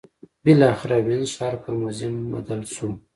بالاخره وینز ښار پر موزیم بدل شو.